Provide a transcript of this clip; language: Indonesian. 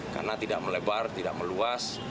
karena tidak melebar tidak meluas